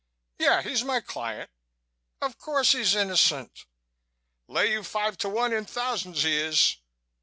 Yeah, he's my client.... Of course he's innocent.... Lay you five to one in thousands he is....